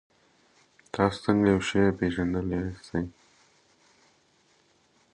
تاسې څنګه یو شی پېژندلای سئ؟